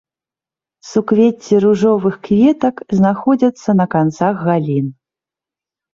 Суквецці ружовых кветак знаходзяцца на канцах галін.